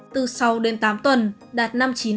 từ sáu đến tám tuần đạt năm mươi chín